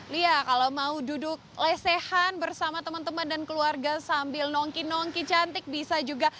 lia kalau mau duduk lesehan bersama teman teman dan keluarga sambil nongki nongki cantik bisa juga